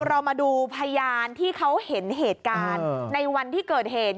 เรามาดูพยานที่เขาเห็นเหตุการณ์ในวันที่เกิดเหตุ